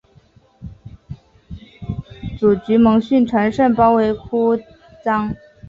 沮渠蒙逊乘胜包围姑臧。